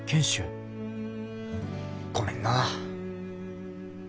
・ごめんな。